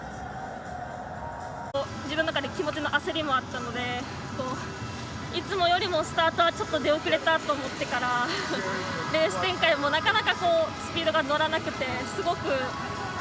自分の中で気持ちの焦りもあったのでいつもよりもスタートはちょっと出遅れたと思ってからレース展開もなかなかスピードが乗らなくて。